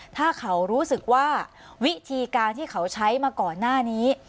ถ้าเขารู้สึกว่าวิธีการที่เขาใช้มาก่อนหน้านี้